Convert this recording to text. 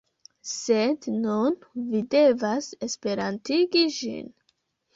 Sed nun, vi devas Esperantigi ĝin.